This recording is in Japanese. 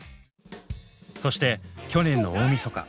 そして去年の大みそか。